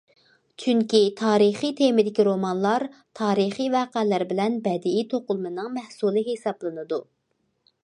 چۈنكى تارىخىي تېمىدىكى رومانلار تارىخىي ۋەقەلەر بىلەن بەدىئىي توقۇلمىنىڭ مەھسۇلى ھېسابلىنىدۇ.